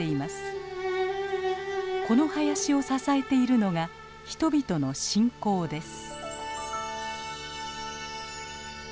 この林を支えているのが人々の信仰です。